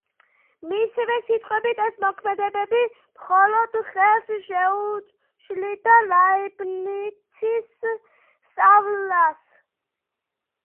მისივე სიტყვებით, ეს მოქმედებები მხოლოდ ხელს შეუშლიდა ლაიბნიცის სწავლას.